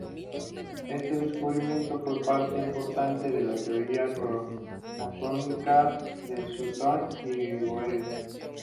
Este descubrimiento fue parte importante de la teoría cromosómica de Sutton y Boveri.